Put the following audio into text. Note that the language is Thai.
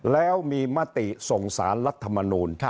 แล้วมีมติส่งสารรัฐมนูล